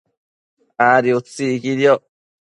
Adi utsi iquidioc